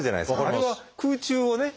あれは空中をね